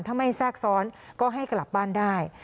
ถ้าไม่แทรกซ้อนก็ให้กลับบ้านได้